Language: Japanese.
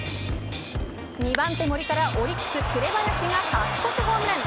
２番手、森からオリックス紅林が勝ち越しホームラン。